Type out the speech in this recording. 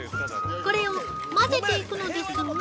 これを混ぜていくのですが。